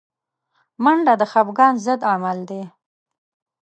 منډه د خفګان ضد عمل دی